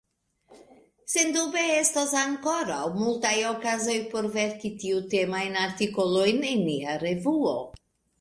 Sendube estos ankoraŭ multaj okazoj por verki tiutemajn artikolojn en nia revuo.